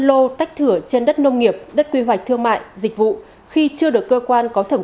lô tách thửa trên đất nông nghiệp đất quy hoạch thương mại dịch vụ khi chưa được cơ quan có thẩm